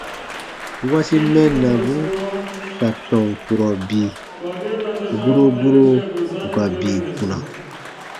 - wasi mɛnnabu ka tɔn kurɔ bii : guro guro ù ka bii kpuna.